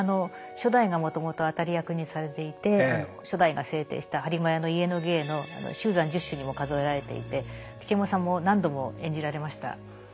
初代がもともと当たり役にされていて初代が制定した播磨屋の家の芸の秀山十種にも数えられていて吉右衛門さんも何度も演じられました。